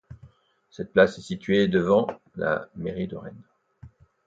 Cette place est située devant la mairie de Rennes.